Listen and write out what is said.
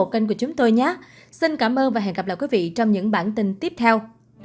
cảm ơn và hẹn gặp lại quý vị trong những bản tin tiếp theo